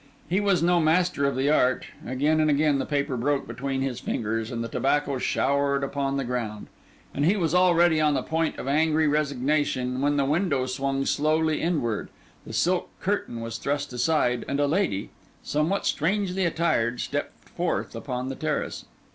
He was no master of the art; again and again, the paper broke between his fingers and the tobacco showered upon the ground; and he was already on the point of angry resignation, when the window swung slowly inward, the silken curtain was thrust aside, and a lady, somewhat strangely attired, stepped forth upon the terrace.